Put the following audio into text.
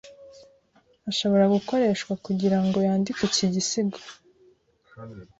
ashobora gukoreshwa kugira ngo yandike iki gisigo